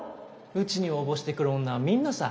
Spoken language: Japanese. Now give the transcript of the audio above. うちに応募してくる女はみんなさ。